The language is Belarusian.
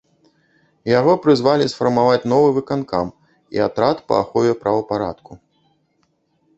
Яго прызвалі сфармаваць новы выканкам і атрад па ахове правапарадку.